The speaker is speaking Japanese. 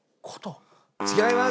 違います。